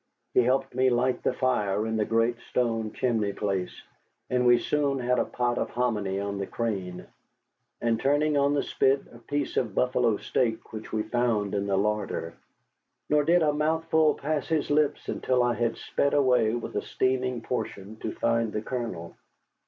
He helped me light the fire in the great stone chimney place, and we soon had a pot of hominy on the crane, and turning on the spit a piece of buffalo steak which we found in the larder. Nor did a mouthful pass his lips until I had sped away with a steaming portion to find the Colonel.